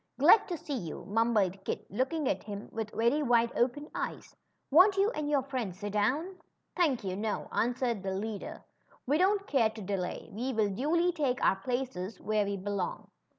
Glad to see you/' mumbled Kit, looking at him with very wide open eyes. Won't you and your friends sit down?" Thank you, no," answered the leader. ^ We don't care to delay. We will duly take our places where we belong.